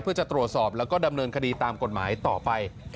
เพื่อจะตรวจสอบแล้วก็ดำเนินคดีตามกฎหมายต่อไป